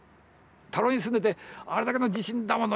田老に住んでてあれだけの地震だもの。